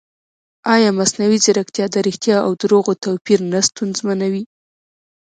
ایا مصنوعي ځیرکتیا د ریښتیا او دروغو توپیر نه ستونزمنوي؟